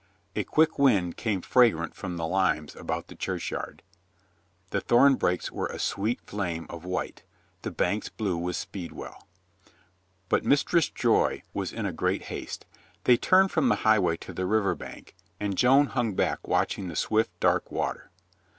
A quick wind came fragrant from the limes about the churchyard, the thornbrakes were a sweet flame of white, the banks blue with speedwell. But Mistress Joy was in a great haste. They turned from the highway to the river bank and Joan hung back watching the swift, dark water.